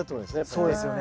そうですよね。